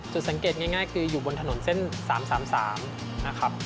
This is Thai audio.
สังเกตง่ายคืออยู่บนถนนเส้น๓๓นะครับ